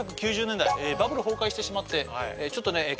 １９９０年代バブル崩壊してしまってちょっとね